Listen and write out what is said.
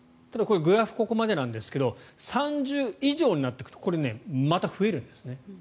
グラフ、ここまでですが３０以上になっていくとまた増えるんですね。